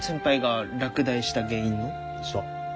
そう。